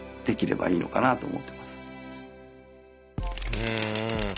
うん。